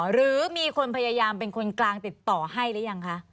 หรือมีคนพยายามเป็นคนกลางติดต่อให้หรือยังคะ